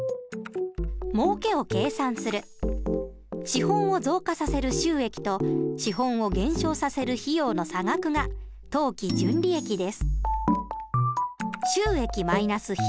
資本を増加させる収益と資本を減少させる費用の差額が当期純利益です。